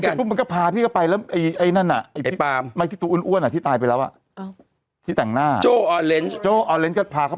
ทำยังไงได้อยู่ตรงนั้นแล้ว